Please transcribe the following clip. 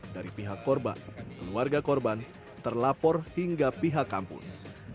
dari pihak korban keluarga korban terlapor hingga pihak kampus